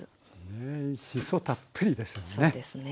へえしそたっぷりですよね。